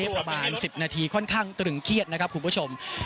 ประมาณ๑๐นาทีค่อนข้างตรึงเครียดนะครับคุณผู้ชม